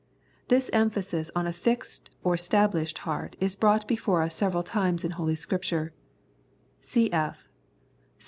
This em phasis on a fixed or stablished heart is brought before us several times in Holy Scripture (cf.